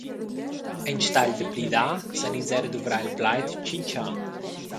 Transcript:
Enstagl da plidar san ins era duvrar il plaid tschintschar.